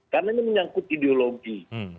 karena ini menyangkut ideologi